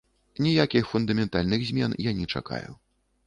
Ніякіх фундаментальных змен я не чакаю.